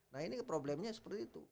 nah ini problemnya seperti itu